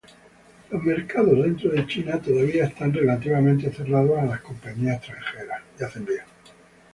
Los mercados dentro de China todavía están relativamente cerrados a las compañías extranjeras.